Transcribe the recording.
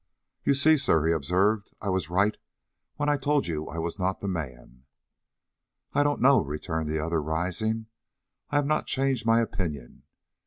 "You see, sir," he observed, "I was right when I told you I was not the man." "I don't know," returned the other, rising. "I have not changed my opinion.